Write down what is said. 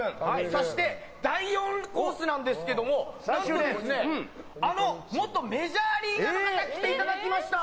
そして、第４コースなんですが何とあの元メジャーリーガーの方に来ていただきました。